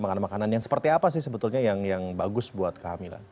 makanan makanan yang seperti apa sih sebetulnya yang bagus buat kehamilan